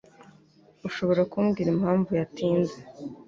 Ushobora kumbwira impamvu yatinze?